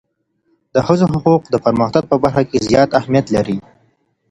د ښځو حقوق د پرمختګ په برخه کي زیات اهمیت لري.